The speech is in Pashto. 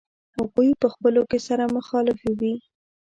هغوی په خپلو کې سره مخالفې وې.